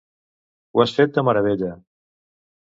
Ho has fet de meravella.